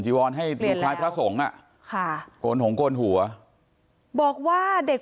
จีวอนให้พระสงฆ์อ่ะค่ะโกนโกนหูอ่ะบอกว่าเด็ก